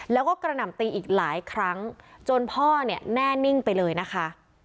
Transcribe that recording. แล้วก็กระหน่ำตีอีกหลายครั้งจนพ่อเนี่ยแน่นิ่งไปเลยนะคะ